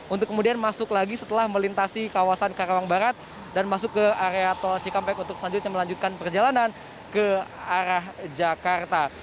untuk kemudian masuk lagi setelah melintasi kawasan karawang barat dan masuk ke area tol cikampek untuk selanjutnya melanjutkan perjalanan ke arah jakarta